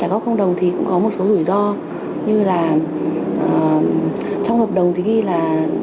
trả góp không đồng thì cũng có một số rủi ro như là trong hợp đồng thì ghi là